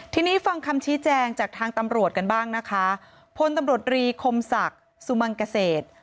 ทีนี้ฟังคำชี้แจงจากทางตำรวจกันบ้างนะคะพลตำรวจรีคมศักดิ์สุมังเกษตร